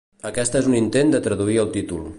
Aquest és un intent de traduir el títol.